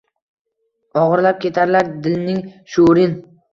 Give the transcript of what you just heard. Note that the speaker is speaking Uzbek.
Oʻgʻirlab ketarlar dilning shuurin.